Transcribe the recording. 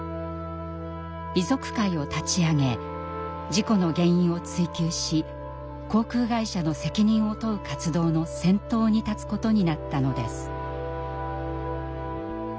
遺族会を立ち上げ事故の原因を追及し航空会社の責任を問う活動の先頭に立つことになったのです。